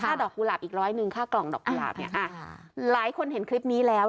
ดอกกุหลาบอีกร้อยหนึ่งค่ากล่องดอกกุหลาบเนี่ยหลายคนเห็นคลิปนี้แล้ว